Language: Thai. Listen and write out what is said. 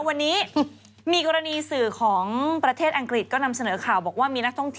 วันนี้มีกรณีสื่อของประเทศอังกฤษก็นำเสนอข่าวบอกว่ามีนักท่องเที่ยว